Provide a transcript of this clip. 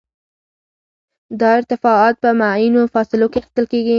دا ارتفاعات په معینو فاصلو کې اخیستل کیږي